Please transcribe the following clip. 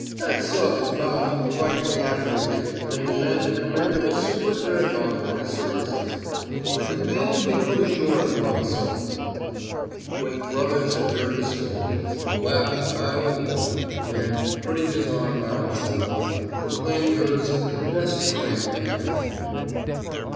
That sub. is bound to write to the Admiralty and demand the command of a Super Dreadnought for his services. I demand to be put ashore at once." When Carruthers had heard the story he laughed loud and long, and, putting his arm round Sallie, proclaimed hers the best brain in the family.